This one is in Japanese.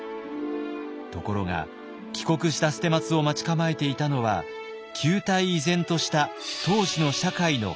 ところが帰国した捨松を待ち構えていたのは旧態依然とした当時の社会の壁でした。